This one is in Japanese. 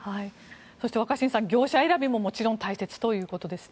そして、若新さん業者選びももちろん大切ということですね。